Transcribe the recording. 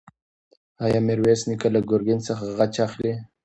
ایا میرویس نیکه له ګرګین څخه غچ اخلي؟